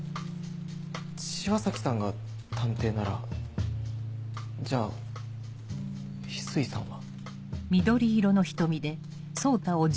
千和崎さんが探偵ならじゃあ翡翠さんは？